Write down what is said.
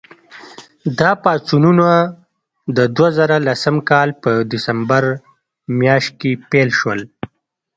دا پاڅونونه د دوه زره لسم کال په ډسمبر میاشت کې پیل شول.